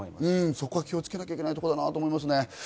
そこは気をつけなきゃいけないことだなと思います。